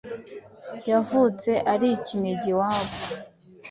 Yavutse ari ikinege iwabo